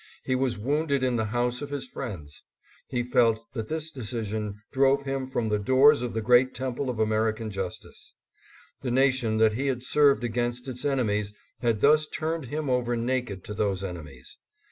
He was wounded in the house of his friends. He felt that this decision drove him from the doors of the great temple of American justice. The nation that he had served against its enemies had thus turned him over naked to those enemies.